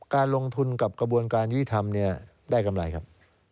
การลงทุนกับกระบวนการยุติธรรมได้กำไรครับ